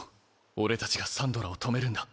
俺たちがサンドラを止めるんだ。